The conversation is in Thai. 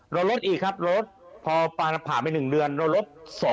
เราลดอีกครับพอผ่านไป๑เดือนเราลด๒๐